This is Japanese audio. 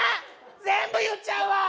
全部言っちゃうわ！